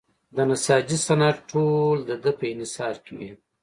د نساجۍ صنعت ټول د ده په انحصار کې وي.